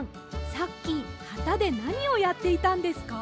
さっきはたでなにをやっていたんですか？